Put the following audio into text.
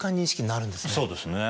そうですね。